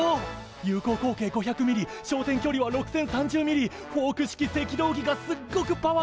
有効口径５００ｍｍ焦点距離は６，０３０ｍｍフォーク式赤道儀がすっごくパワフルだ！